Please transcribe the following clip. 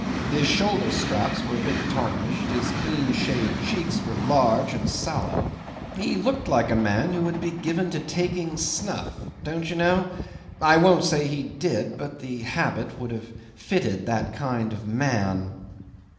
His shoulder straps were a bit tarnished, his clean shaved cheeks were large and sallow; he looked like a man who would be given to taking snuff don't you know? I won't say he did; but the habit would have fitted that kind of man.